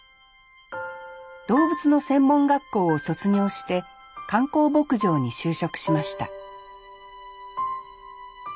動物の専門学校を卒業して観光牧場に就職しました